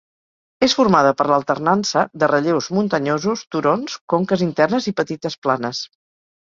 És formada per l'alternança de relleus muntanyosos, turons, conques internes i petites planes.